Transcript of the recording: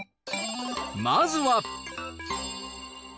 まずは。